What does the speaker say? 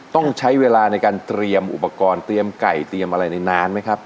ต้องใช้เวลาในการเตรียมอุปกรณ์เตรียมไก่เตรียมอะไรในนานไหมครับ